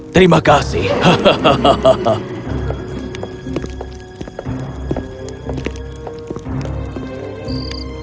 terima kasih hahaha